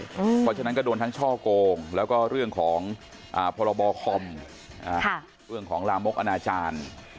เพราะฉะนั้นก็โดนทั้งช่อโกงแล้วก็เรื่องของพรบคอมเรื่องของลามกอนาจารย์